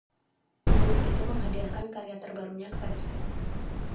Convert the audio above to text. Penulis itu menghadiahkan karya terbarunya kepada saya.